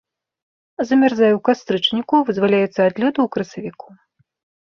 Замярзае ў кастрычніку, вызваляецца ад лёду ў красавіку.